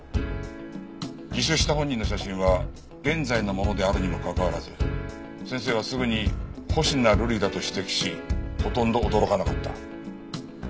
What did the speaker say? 自首した本人の写真は現在のものであるにもかかわらず先生はすぐに星名瑠璃だと指摘しほとんど驚かなかった。